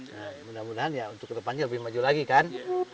nah mudah mudahan ya untuk kedepannya lebih maju lagi kan